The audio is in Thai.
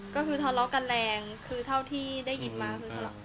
ก็คือทะเลาะกันแรงคือเท่าที่ได้ยินมาคือทะเลาะ